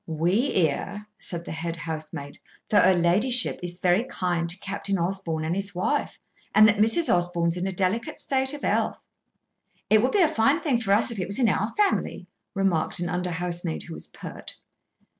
"We hear," said the head housemaid, "that her ladyship is very kind to Captain Osborn and his wife, and that Mrs. Osborn's in a delicate state of health." "It would be a fine thing for us if it was in our family," remarked an under housemaid who was pert.